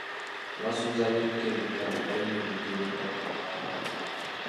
Abasuubuzi ab’ebika eby’enjawulo balina ebintu eby’enjawulo bye baagala?